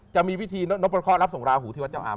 จะมีวิธีโนตปัชคราวรับส่งราหูที่วัดเจ้าอำ